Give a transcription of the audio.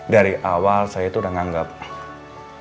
dari awal saya tuh udah nganggep